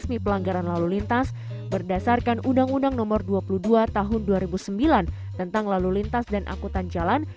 resmi pelanggaran lalu lintas berdasarkan undang undang nomor dua puluh dua tahun dua ribu sembilan tentang lalu lintas dan akutan jalan